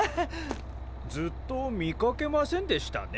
ずっと見かけませんでしたね。